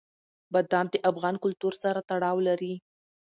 بادام د افغان کلتور سره تړاو لري.